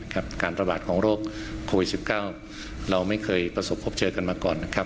การระบาดของโรคโควิด๑๙เราไม่เคยประสบพบเจอกันมาก่อนนะครับ